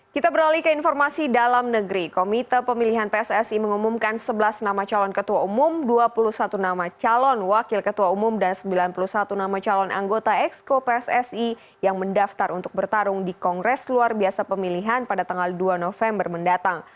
kita beralih ke informasi dalam negeri komite pemilihan pssi mengumumkan sebelas nama calon ketua umum dua puluh satu nama calon wakil ketua umum dan sembilan puluh satu nama calon anggota exco pssi yang mendaftar untuk bertarung di kongres luar biasa pemilihan pada tanggal dua november mendatang